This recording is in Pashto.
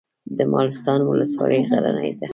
د مالستان ولسوالۍ غرنۍ ده